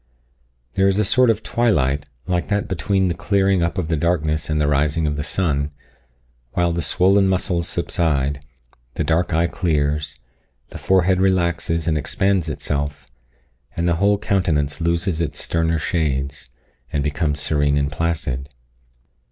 There is a sort of twilight, like that between the clearing up of the darkness and the rising of the sun, while the swollen muscles subside, the dark eye clears, the forehead relaxes and expands itself, and the whole countenance loses its sterner shades, and becomes serene and placid.